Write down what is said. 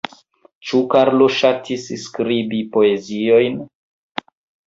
Ĉu Karlo ŝatis skribi poeziojn?